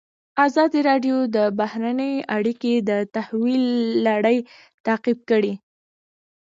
ازادي راډیو د بهرنۍ اړیکې د تحول لړۍ تعقیب کړې.